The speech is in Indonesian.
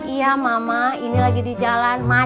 iya mama ini lagi di jalan